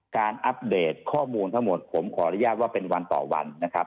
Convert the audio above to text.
การอัพเดตข้อมูลผมขออนุญาตว่าเป็นวันต่อวันนะครับ